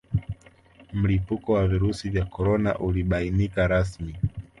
Mlipuko wa Virusi vya Korona ulibainika rasmi